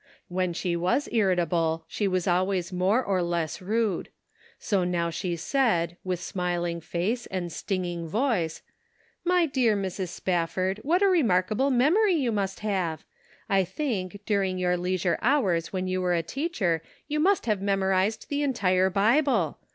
When she was ir ritable, she was always more or less rude. So now she said, with smiling face and stinging voice :" My dear Mrs. Spafford, what a remarkable memory you must have ! I think, during your leisure hours when you were a teacher, you must have memorized the entire Bible.